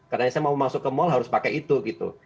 katanya saya mau masuk ke mal harus pakai itu gitu